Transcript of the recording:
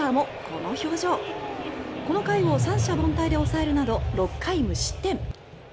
この回を三者凡退で抑えるなど６回無失点。